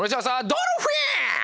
ドルフィン！